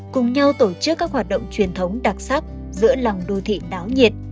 cùng nhau tổ chức các hoạt động truyền thống đặc sắc giữa lòng đô thị đáo nhiệt